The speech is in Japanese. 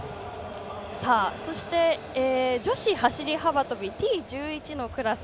そして、女子走り幅跳びＴ１１のクラス。